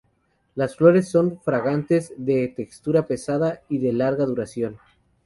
Las flores son fragantes, de textura pesada y de larga duración.